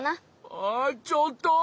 あちょっと！